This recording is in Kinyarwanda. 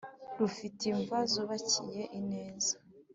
rufite imva zubakiye neza.